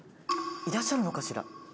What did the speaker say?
いらっしゃるのかしら？